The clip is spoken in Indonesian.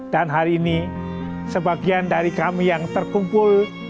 dan hari ini sebagian dari kami yang terkumpul